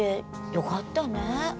よかったね